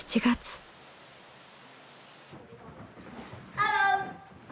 ハロー。